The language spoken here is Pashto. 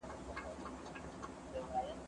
زه به سبا واښه راوړم؟!